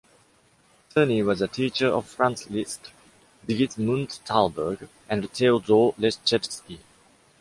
Czerny was a teacher of Franz Liszt, Sigismund Thalberg and Theodor Leschetizky.